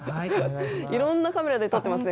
いろんなカメラで撮ってますね。